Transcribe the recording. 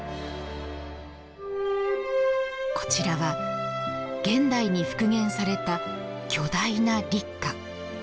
こちらは、現代に復元された巨大な立花。